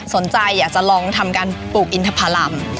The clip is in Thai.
สนใจจะลองทำการปลูกอินทธาพรรม